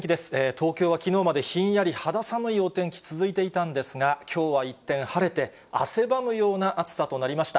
東京はきのうまで、ひんやり肌寒いお天気続いていたんですが、きょうは一転、晴れて汗ばむような暑さとなりました。